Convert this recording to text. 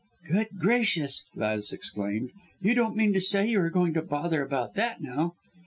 "Good gracious!" Gladys exclaimed, "you don't mean to say you are going to bother about that now!"